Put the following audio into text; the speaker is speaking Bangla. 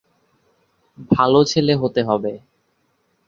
ভালো ছেলে হতে হবে।